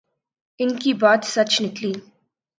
ان کی بات سچ نکلی۔